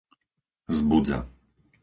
Zbudza